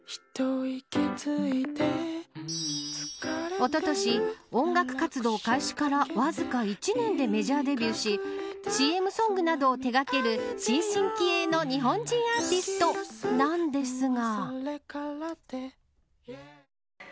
おととし、音楽活動開始からわずか１年でメジャーデビューしＣＭソングなどを手掛ける新進気鋭の日本人アーティストなんですが。